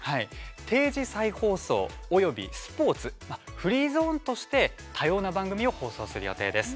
定時再放送およびスポーツ、フリーゾーンとして多様な番組を放送する予定です。